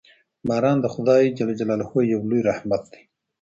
باران د خدای یو لوی رحمت دی.